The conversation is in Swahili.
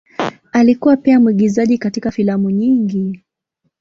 Alikuwa pia mwigizaji katika filamu nyingi.